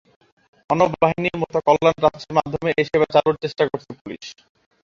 অন্য বাহিনীর মতো কল্যাণ ট্রাস্টের মাধ্যমে এ সেবা চালুর চেষ্টা করছে পুলিশ।